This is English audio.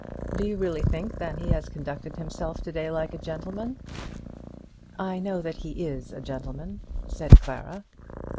Do you really think that he has conducted himself to day like a gentleman?" "I know that he is a gentleman," said Clara.